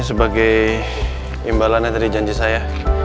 ini sebagai imbalannya dari janji saya